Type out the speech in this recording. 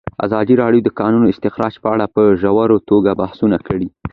ازادي راډیو د د کانونو استخراج په اړه په ژوره توګه بحثونه کړي.